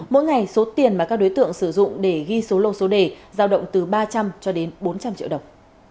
mỗi ngày số tiền mà các đối tượng sử dụng để ghi số lô số đề giao động từ ba trăm linh cho đến bốn trăm linh triệu đồng